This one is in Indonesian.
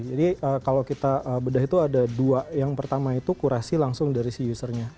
jadi kalau kita bedah itu ada dua yang pertama itu kurasi langsung dari si usernya